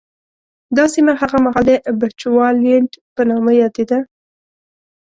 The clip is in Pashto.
دا سیمه هغه مهال د بچوالېنډ په نامه یادېده.